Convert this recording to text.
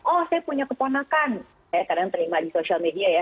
oh saya punya keponakan ya kadang terima di social media ya